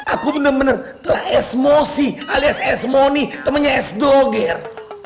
aku bener bener telah esmosi alias esmoni temennya esdoger